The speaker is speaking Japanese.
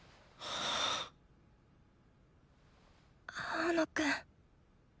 青野くん。